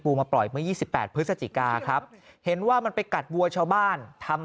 มาปล่อยเมื่อ๒๘พฤศจิกาครับเห็นว่ามันไปกัดวัวชาวบ้านทำ